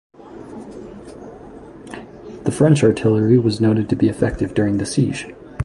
The French artillery was noted to be effective during the siege.